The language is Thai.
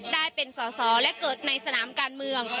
ได้เป็นสอสอและเกิดในสนามการเมือง